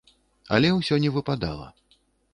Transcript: Але ўсё не выпадала.